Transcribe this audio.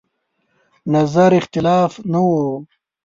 نظر اختلاف نه و.